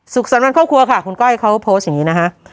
สรรวันครอบครัวค่ะคุณก้อยเขาโพสต์อย่างนี้นะคะ